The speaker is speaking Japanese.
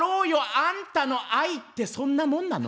「あんたの愛ってそんなもんなの？」。